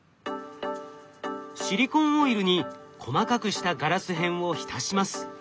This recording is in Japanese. シリコンオイルに細かくしたガラス片を浸します。